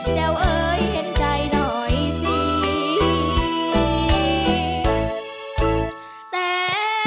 แต่วจากกลับมาท่าน้าที่รักอย่าช้านับสิสามเชย